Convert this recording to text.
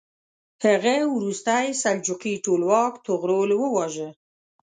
هغه وروستی سلجوقي ټولواک طغرل وواژه.